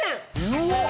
うわっ！